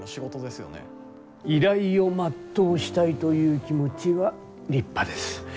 依頼を全うしたいという気持ちは立派です。